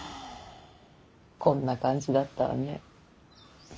こんな感じだったわね。